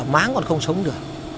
máng còn không sống được